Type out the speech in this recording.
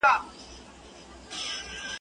مجبوره ته مه وايه چي غښتلې.